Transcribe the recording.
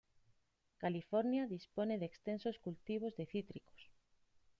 California dispone de extensos cultivos de cítricos.